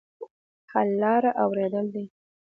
حل لاره اورېدل دي.